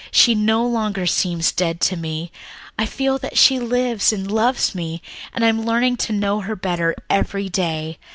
She no longer seems dead to me. I feel that she lives and loves me, and I am learning to know her better every day.